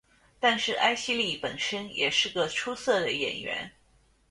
但是艾希莉本身也是个出色的演员。